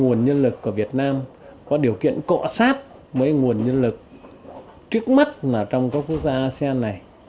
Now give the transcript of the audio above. nguồn nhân lực của việt nam có điều kiện cọ sát với nguồn nhân lực trước mắt là trong các quốc gia asean này